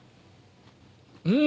うん！